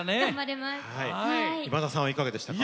今田さんはいかがでしたか。